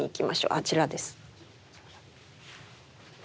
あちらです。